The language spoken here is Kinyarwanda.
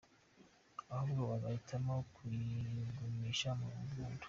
" ahubwo bagahitamo kuyigumisha mu mbundo?.